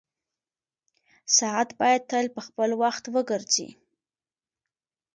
ساعت باید تل په خپل وخت وګرځي.